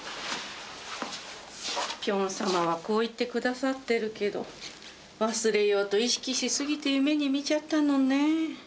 ピョン様はこう言って下さってるけど忘れようと意識し過ぎて夢に見ちゃったのね。